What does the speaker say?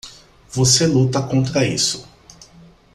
Você luta contra isso.